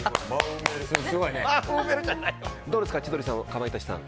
どうですか千鳥さん、かまいたちさん